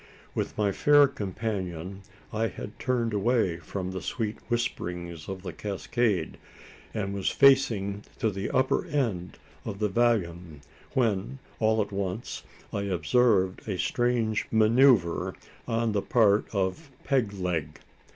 With my fair companion, I had turned away from the sweet whisperings of the cascade, and was facing to the upper end of the vallon when, all at once, I observed a strange manoeuvre on the part of "Peg leg."